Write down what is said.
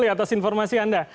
terima kasih informasi anda